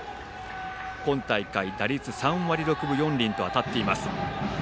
今大会、打率３割６分４厘と当たっています。